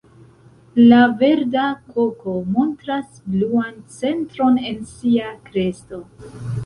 La Verda koko montras bluan centron en sia kresto.